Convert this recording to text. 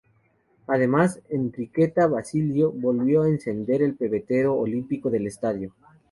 Además, Enriqueta Basilio volvió a encender el pebetero olímpico del estadio.